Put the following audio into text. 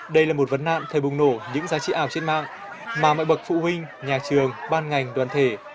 đây là một vấn nạn thầy bùng nổ những giá trị ảo trên mạng mà mọi bậc phụ huynh nhà trường ban ngành đoàn thể